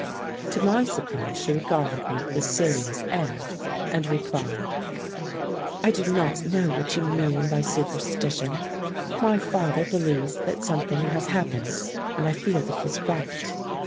To my surprise she regarded me with a serious air, and replied: "I do not know what you mean by superstition. My father believes that something has happened, and I feel that he is right."